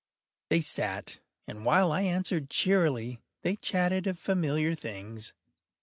They sat, and while I answered cheerily, they chatted of familiar things.